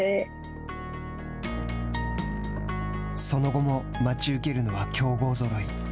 その後も待ち受けるのは強豪ぞろい。